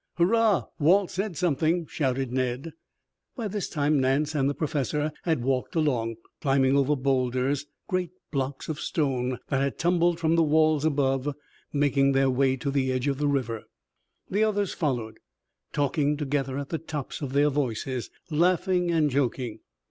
"Hurrah! Walt's said something," shouted Ned. By this time Nance and the Professor had walked along, climbing over boulders, great blocks of stone that had tumbled from the walls above, making their way to the edge of the river. The others followed, talking together at the tops of their voices, laughing and joking.